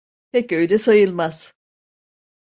Pek öyle sayılmaz.